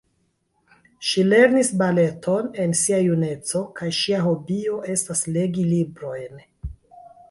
Ŝi lernis baleton en sia juneco kaj ŝia hobio estas legi librojn.